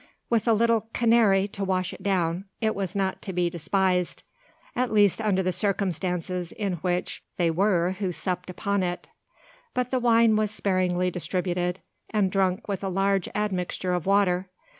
With a little "Canary" to wash it down, it was not to be despised, at least, under the circumstances in which they were who supped upon it; but the wine was sparingly distributed, and drunk with a large admixture of water.